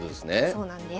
そうなんです。